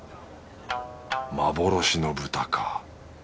幻の豚か。